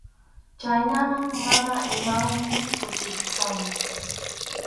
Chhaynam mana imantin kutimpurqani.